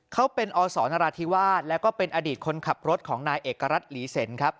เขาเป็นอสนราธิวาสแล้วก็เป็นอดีตคนขับรถของนายเอกรัฐหลีเซ็นครับ